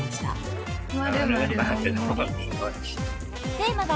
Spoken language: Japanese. ［テーマは］